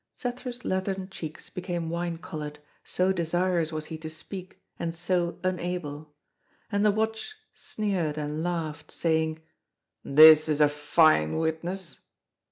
Cethru's leathern cheeks became wine coloured, so desirous was he to speak, and so unable. And the Watch sneered and laughed, saying: "This is a fine witness."